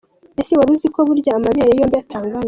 Ese wari uzi ko burya amabere yombi atangana?.